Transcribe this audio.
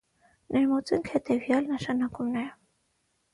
Ներմուծենք հետևայալ նշանակումները։